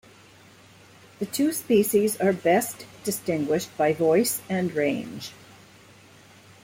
The two species are best distinguished by voice and range.